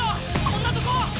そんなとこ！